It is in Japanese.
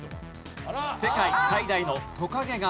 世界最大のトカゲが生息。